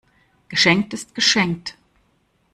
Geschenkt ist geschenkt.